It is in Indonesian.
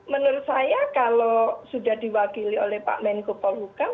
menurut saya kalau sudah diwakili oleh pak menko polhukam